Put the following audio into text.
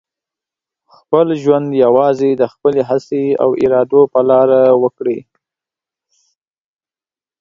خپل ژوند یوازې د خپلې هڅې او ارادو په لاره وکړئ.